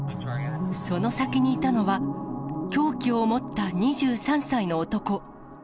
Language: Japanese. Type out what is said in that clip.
その先にいたのは、凶器を持った２３歳の男。